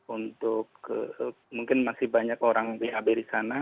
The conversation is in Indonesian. untuk mungkin masih banyak orang bab di sana